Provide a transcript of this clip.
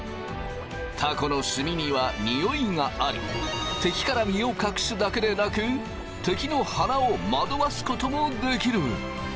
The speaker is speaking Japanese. たこのすみにはにおいがあり敵から身を隠すだけでなく敵の鼻をまどわすこともできる。